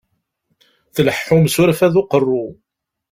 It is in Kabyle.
Tleḥḥum s urfad n uqerru.